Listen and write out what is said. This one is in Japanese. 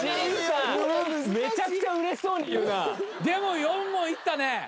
でも４問いったね。